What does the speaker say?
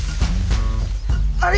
あれ？